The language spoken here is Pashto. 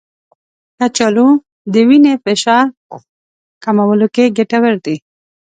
کچالو د وینې فشار کمولو کې ګټور دی.